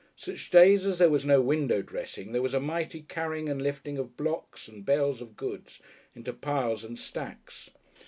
Such days as there was no window dressing, there was a mighty carrying and lifting of blocks and bales of goods into piles and stacks.